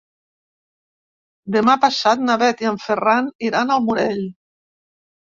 Demà passat na Bet i en Ferran iran al Morell.